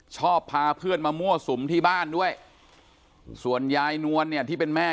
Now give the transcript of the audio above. ชอบพาเพื่อนมามั่วสุมที่บ้านด้วยส่วนยายนวลเนี่ยที่เป็นแม่